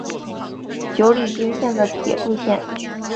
久里滨线的铁路线。